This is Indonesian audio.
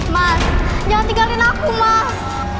mas jangan tinggalin aku mas